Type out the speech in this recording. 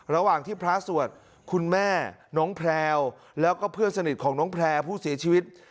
ระหว่างที่พระสวดคุณแม่น้องแพลวแล้วก็เพื่อนสนิทของน้องแพร่ผู้เสียชีวิต